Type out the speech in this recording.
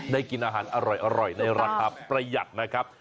กินอาหารอร่อยในราคาประหยัดนะครับ